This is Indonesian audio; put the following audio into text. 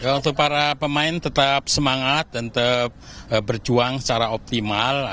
untuk para pemain tetap semangat dan tetap berjuang secara optimal